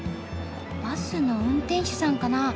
バスの運転手さんかな？